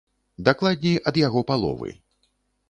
Дакладней, ад яго паловы!